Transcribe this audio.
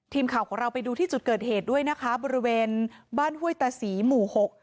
ทีมข่าวของเราไปดูที่จุดเกิดเหตุด้วยนะคะบริเวณบ้านห้วยตาศรีหมู่หก